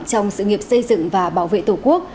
trong sự nghiệp xây dựng và bảo vệ tổ quốc